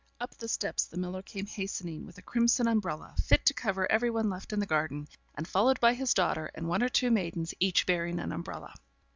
Up the steps the miller came hastening, with a crimson umbrella, fit to cover every one left in the garden, and followed by his daughter, and one or two maidens, each bearing an umbrella.